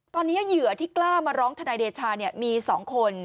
ตอนนี้เหยื่อที่กล้ามาร้องทนายเดชามี๒คน